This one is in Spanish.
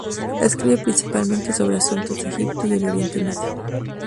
Escribe principalmente sobre asuntos de Egipto y el Oriente Medio.